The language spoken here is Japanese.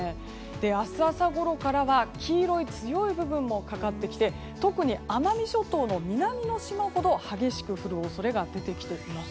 明日朝ごろからは黄色い強い部分もかかってきて特に奄美諸島の南の島ほど激しく降る恐れが出てきています。